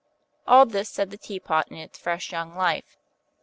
All this said the Teapot in its fresh young life.